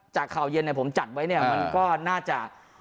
จากข่าวเย็นเนี่ยผมจัดไว้เนี่ยมันก็น่าจะ